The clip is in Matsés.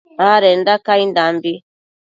adenda caindambi